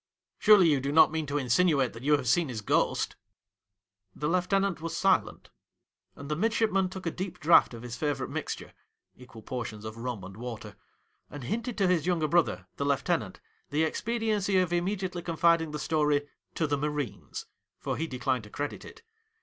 Surely you do not mean to insinuate that you have seen his ghost !' The lieutenant was silent ; and the mid shipman took a deep draught of his favourite mixture — equal portions of rum and water — and hinted to his younger brother, the lieu tenant, the expediency of immediately con fiding the story to the Marines ; for he declined to credit it.